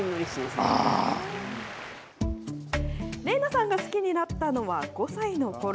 伶奈さんが好きになったのは、５歳のころ。